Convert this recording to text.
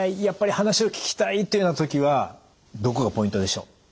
やっぱり話を聞きたいというような時はどこがポイントでしょう？